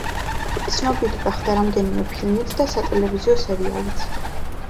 ცნობილი გახდა რამდენიმე ფილმით და სატელევიზიო სერიალით.